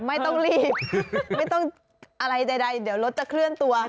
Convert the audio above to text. ไม่ต้องรีบไม่ต้องอะไรใดเดี๋ยวรถจะเคลื่อนตัว